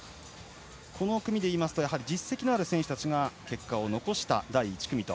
この組で言うと実績のある選手たちが結果を残した第１組と。